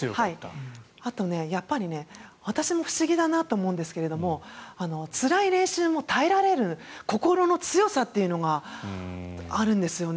あと、私も不思議だなと思うんですけれどもつらい練習も耐えられる心の強さというのがあるんですよね。